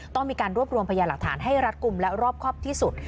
ต้องมีการรวบรวมพยานหลักฐานให้รัฐกลุ่มและรอบครอบที่สุด